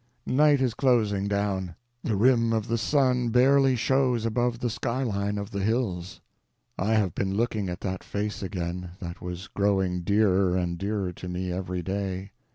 Night is closing down; the rim of the sun barely shows above the sky line of the hills. I have been looking at that face again that was growing dearer and dearer to me every day.